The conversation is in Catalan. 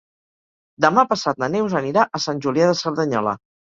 Demà passat na Neus anirà a Sant Julià de Cerdanyola.